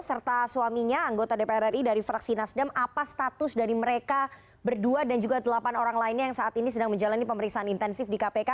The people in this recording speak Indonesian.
serta suaminya anggota dpr ri dari fraksi nasdem apa status dari mereka berdua dan juga delapan orang lainnya yang saat ini sedang menjalani pemeriksaan intensif di kpk